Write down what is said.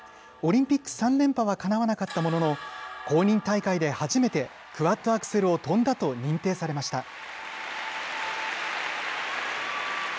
オリンピック３連覇はかなわなかったものの、公認大会で初めてクワッドアクセルを跳んだと認定されました。